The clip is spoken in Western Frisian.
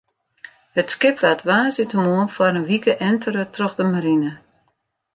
It skip waard woansdeitemoarn foar in wike entere troch de marine.